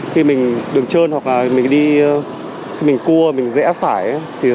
khi mình đường trơn hoặc là mình đi khi mình cua mình rẽ phải